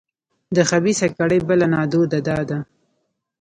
د خبیثه کړۍ بله نادوده دا ده.